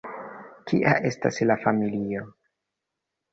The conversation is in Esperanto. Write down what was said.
Kia estas la familio?